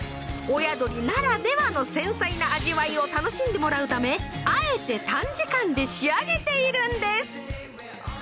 親鶏ならではの繊細な味わいを楽しんでもらうためあえて短時間で仕上げているんです。